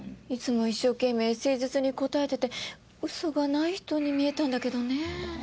いつも一生懸命誠実に答えててウソがない人に見えたんだけどね。